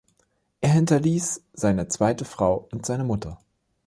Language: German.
Er hinterließ seine zweite Frau und seine Mutter.